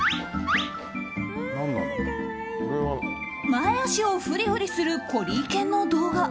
前脚をフリフリするコリー犬の動画。